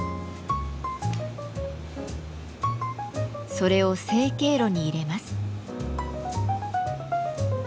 それを成形炉に入れます。